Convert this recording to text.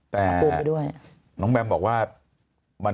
แต่น้องแบมบอกว่า